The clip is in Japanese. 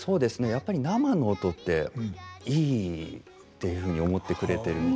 やっぱり生の音っていいっていうふうに思ってくれてるみたいで。